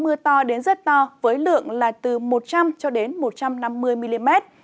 mưa to đến rất to với lượng là từ một trăm linh một trăm năm mươi mm